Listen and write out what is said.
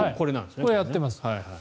これ、やっています。